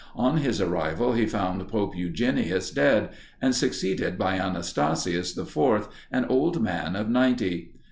On his arrival he found Pope Eugenius dead, and succeeded by Anastasius IV., an old man of ninety.